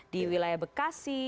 di wilayah bekasi